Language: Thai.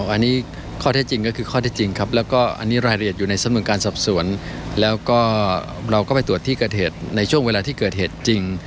อันนี้ข้อเท็จจริงก็คือข้อที่จริงครับแล้วก็อันนี้รายละเอียดอยู่ในสำนวนการสอบสวนแล้วก็เราก็ไปตรวจที่เกิดเหตุในช่วงเวลาที่เกิดเหตุจริง